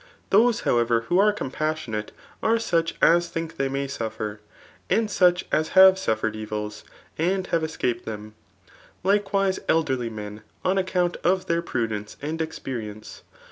Those^ however^ who are compassionate are such as think they may suffer ; and such as have suffered evils ; and have escaped them. Likewise elderly men, on ac* count of their prudence and experience.